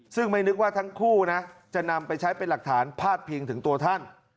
ซึ่งไม่นึกว่าทั้งคู่นะจะนำไปใช้เป็นหลักฐานพาดพิงถึงตัวท่าน